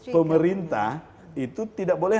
pemerintah itu tidak boleh